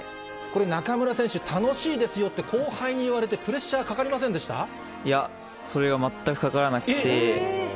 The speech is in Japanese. これ中村選手、楽しいですよって後輩に言われてプレッシャーかかいや、それが全くかからなくて。